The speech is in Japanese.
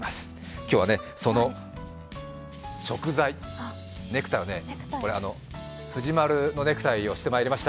今日はそのしょく罪、藤丸のネクタイをしてまいりました。